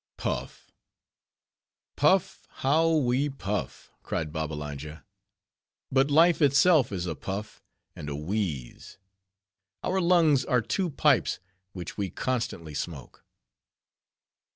"Puff; puff, how we puff," cried Babbalanja. "but life itself is a puff and a wheeze. Our lungs are two pipes which we constantly smoke."